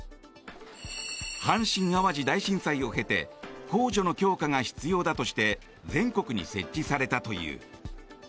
阪神・淡路大震災を経て公助の強化が必要だとして全国に設置されたという。